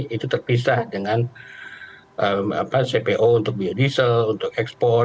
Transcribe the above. itu terpisah dengan cpo untuk biodiesel untuk ekspor